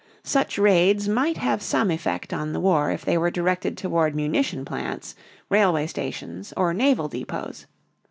Such raids might have some effect on the war if they were directed toward munition plants, railway stations, or naval depots.